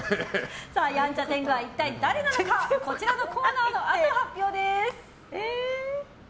やんちゃ天狗は一体誰なのかこちらのコーナーのあと発表です。